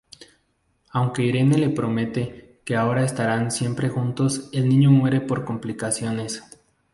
Aunque Irene le promete que ahora estarán siempre juntos el niño muere por complicaciones.